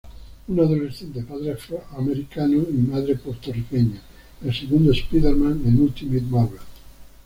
Un adolescente de padre afroamericano y madre puertorriqueña, el segundo Spider-Man en Ultimate Marvel.